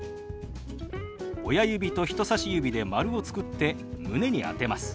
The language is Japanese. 親指と人さし指で丸を作って胸に当てます。